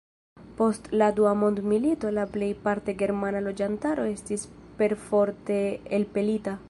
Post la dua mondmilito la plej parte germana loĝantaro estis perforte elpelita.